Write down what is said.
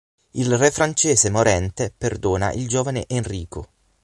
Il re francese morente perdona il giovane Enrico.